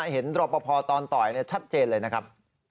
เห็นรอปภตอนต่อยชัดเจนเลยนะครับ